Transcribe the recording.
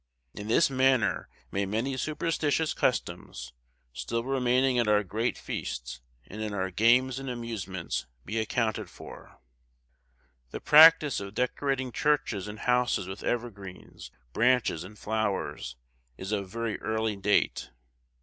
In this manner may many superstitious customs, still remaining at our great feasts, and in our games and amusements, be accounted for. The practice of decorating churches and houses with evergreens, branches, and flowers, is of very early date.